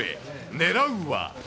狙うは。